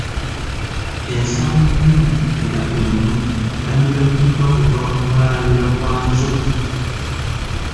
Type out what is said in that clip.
Ensaamu ennungi era eŋŋumu yandibajjiddwa kuva mu mulandira gwa Nzo.